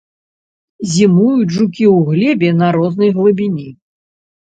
Зімуюць жукі ў глебе на рознай глыбіні.